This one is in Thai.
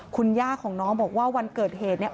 คุณย่าของน้องบอกว่าวันเกิดเหตุเนี่ย